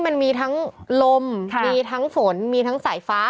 มันมีทั้งลมมีทั้งฝนมีทั้งสายฟ้า